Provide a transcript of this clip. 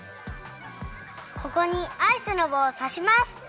ここにアイスのぼうをさします。